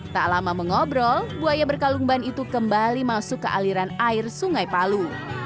tak lama mengobrol buaya berkalung ban itu kembali masuk ke aliran air sungai palu